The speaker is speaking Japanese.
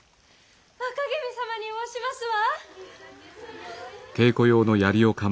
若君様におわしますわ！